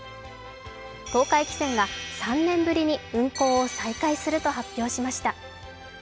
東海汽船が３年ぶりに運航を再開すると発表しました。